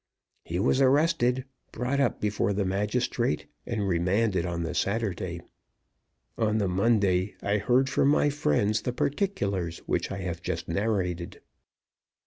He was arrested, brought up before the magistrate, and remanded on the Saturday. On the Monday I heard from my friends the particulars which I have just narrated.